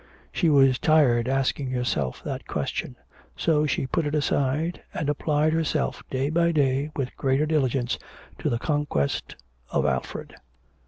She was tired asking herself that question; so she put it aside, and applied herself day by day with greater diligence to the conquest of Alfred.